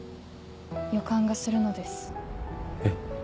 予感がするのですえ？